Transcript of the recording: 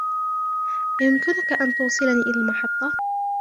أيمكننك أن توصلني إلى المحطة ؟